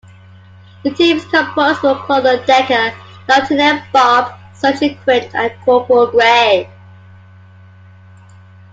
The team is composed of Colonel Decker, Lieutenant Bob, Sergeant Quint and Corporal Grey.